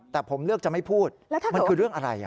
แต่ผมเลือกจะไม่พูดมันคือเรื่องอะไร